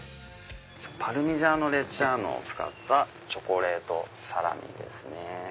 パルミジャーノ・レッジャーノを使ったチョコレートサラミですね。